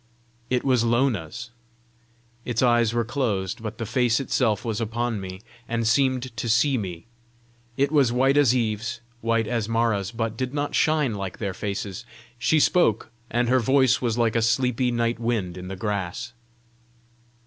It was Lona's. Its eyes were closed, but the face itself was upon me, and seemed to see me. It was white as Eve's, white as Mara's, but did not shine like their faces. She spoke, and her voice was like a sleepy night wind in the grass.